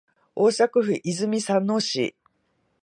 大阪府泉佐野市